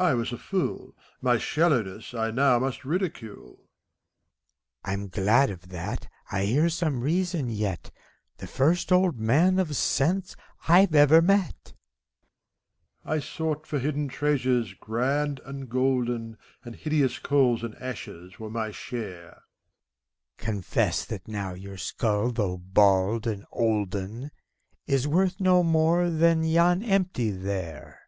I was a fool : My shallowness I now must ridicule. ACT II. 73 BACCALAUREUS. I^m glad of that I I hear some reason yet — The first old man of sense I ever m^et ! MEPHISTOPHELES. I sought for hidden treasures, grand and golden, And hideous coals and ashes were my share. BACCALAUREUS. Confess that now your skull, though bald and olden, Is worth no more than is yon empty, there!